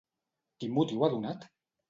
Quin motiu ha donat?